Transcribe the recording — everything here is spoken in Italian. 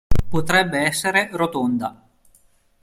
Potrebbe essere rotonda.